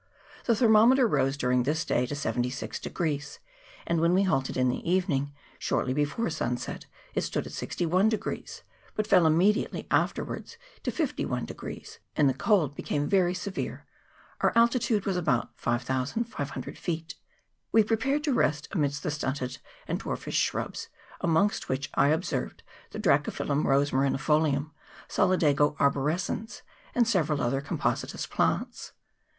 The thermometer rose during this day to 76, and when we halted in the evening, shortly before sun set, it stood at 61, but fell immediately afterwards to 51, and the cold became very severe : our alti tude was about 5500 feet. We prepared to rest amidst the stunted and dwarfish shrubs, amongst which I observed the Dracophyllum rosmarini folium, Solidago arborescens, and several other compositous plants.